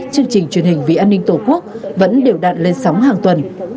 chương trình truyền hình vì an ninh tổ quốc vẫn đều đạn lên sóng hàng tuần